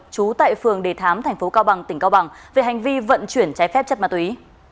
trú tại phường đề thám tp cao bằng tỉnh cao bằng về hành vi vận chuyển trái phép chất ma túy